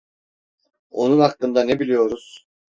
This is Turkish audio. Onun hakkında ne biliyoruz?